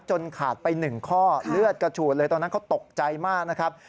ขาดไป๑ข้อเลือดกระฉูดเลยตอนนั้นเขาตกใจมากนะครับ